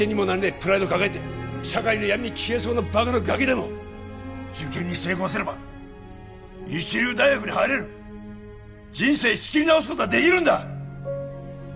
プライド抱えて社会の闇に消えそうなバカなガキでも受験に成功すれば一流大学に入れる人生仕切り直すことができるんだ！